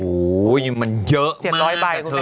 โหมันเยอะมาก